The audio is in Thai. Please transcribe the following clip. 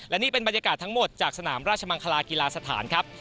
และนี่เป็นบรรยากาศทั้งหมดจากสนามราชมังคลากีฬาสถานครับ